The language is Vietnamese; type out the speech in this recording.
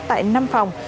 tại năm phòng